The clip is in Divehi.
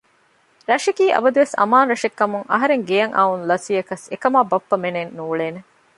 ރަށަކީ އަބަދުވެސް އަމާން ރަށެއްކަމުން އަހަރެން ގެޔަށް އައުން ލަސްވިޔަކަސް އެކަމަކާ ބައްޕަ މެންނެއް ނޫޅޭނެ